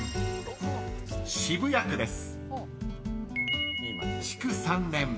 ［渋谷区です］